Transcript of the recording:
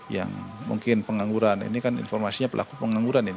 yang mungkin pengangguran ini kan informasinya pelaku pengangguran ini